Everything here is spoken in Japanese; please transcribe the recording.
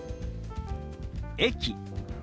「駅」。